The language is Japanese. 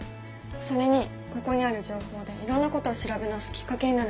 それにここにある情報でいろんなことを調べ直すきっかけになるんじゃない？